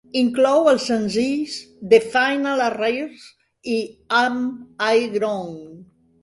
Inclou els senzills "The Final Arrears" i "Am I Wrong".